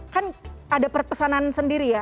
kan ada perpesanan sendiri ya